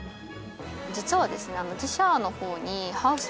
実はですね